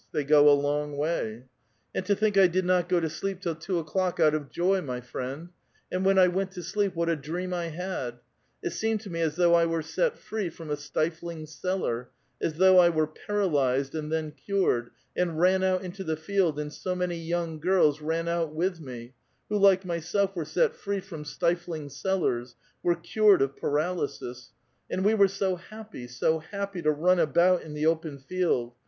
They go a long way. " And to think I did not go to sleep till two o'clock out of joy, my friend ; and when I went to sleep, what a dream I had ! It seemed to me as though I were set free from a stifling cellar, as though I were paralyzed and then cured, and ran out into the field, and so many young girls ran out with me, who, like myself, were set free from stifling cellars, were cured of paral^'sis ; and we were so happy, so happy to run about in the open field